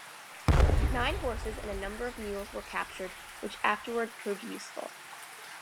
Nine horses and a number of mules were captured, which afterwards proved useful.